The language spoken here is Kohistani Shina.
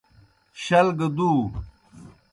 شل گہ دُو۔